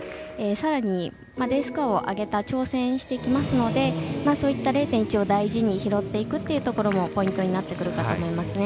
さらに、Ｄスコアを上げた挑戦してきますのでそういった０．１を大事に拾っていくということもポイントになってくるかと思いますね。